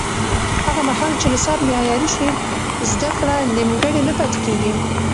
هغه مهال چې نصاب معیاري شي، زده کړه نیمګړې نه پاتې کېږي.